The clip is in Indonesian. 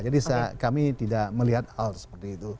jadi kami tidak melihat hal seperti itu